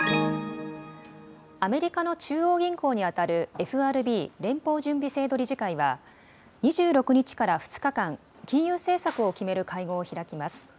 アメリカの中央銀行に当たる、ＦＲＢ・連邦準備制度理事会は、２６日から２日間、金融政策を決める会合を開きます。